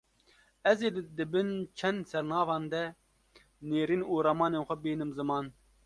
Ez ê di bin çend sernavan de nêrîn û ramanên xwe bînim ziman